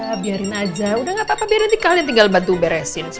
ya biarin aja udah gak apa apa biar nanti kalian tinggal bantu beresin sih